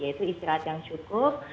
yaitu istirahat yang cukup